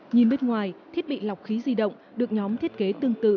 nhìn bên ngoài thiết bị lọc khí di động được nhóm thiết kế tương tự